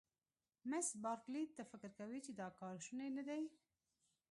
مس بارکلي: ته فکر کوې چې دا کار شونی نه دی؟